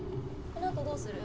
このあとどうする？